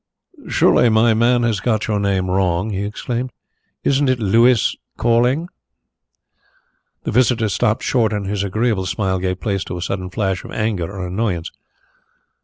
"Surely my man has got your name wrong?" he explained. "Isn't it Louis Calling?" Mr. Carlyle stopped short and his agreeable smile gave place to a sudden flash of anger or annoyance.